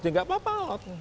ya enggak apa apa alot